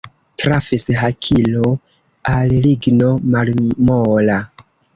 Trafis hakilo al ligno malmola.